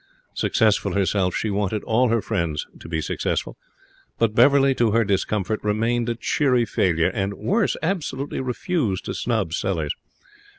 Successful herself, she wanted all her friends to be successful; but Beverley, to her discomfort, remained a cheery failure, and worse, absolutely refused to snub Sellers.